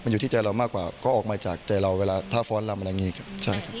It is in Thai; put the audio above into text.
อยู่ที่ใจเรามากกว่าก็ออกมาจากใจเราเวลาถ้าฟ้อนรำอะไรอย่างนี้ครับใช่ครับ